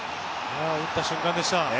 打った瞬間でした。